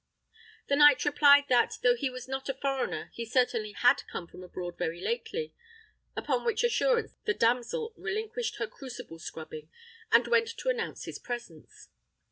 The knight replied that, though he was not a foreigner, he certainly had come from abroad very lately; upon which assurance the damsel relinquished her crucible scrubbing, and went to announce his presence.